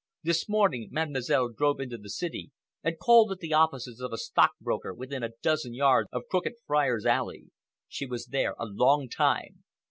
This morning Mademoiselle drove into the city and called at the offices of a stockbroker within a dozen yards of Crooked Friars' Alley. She was there a long time.